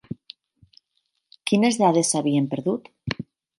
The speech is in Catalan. Quines dades s'havien perdut?